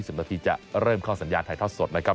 ๑๘น๒๐นจะเริ่มเข้าสัญญาณไทยท่อสดนะครับ